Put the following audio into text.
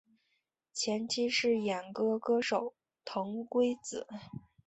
前妻是演歌歌手藤圭子。